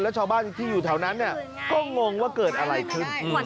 แล้วชาวบ้านที่อยู่แถวนั้นก็งงว่าเกิดอะไรขึ้น